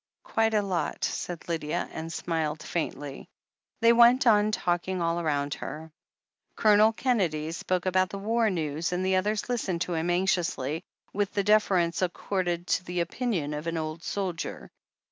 "Quite a lot," said Lydia, and smiled faintly. They went on talking all round her. Colonel Kennedy spoke about the war news, and the others listened to him anxiously, with the deference accorded to the opinion of an old soldier.